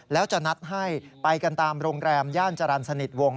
แล้วจะนัดให้ไปกันตามโรงแรมย่านจรรย์สนิทวง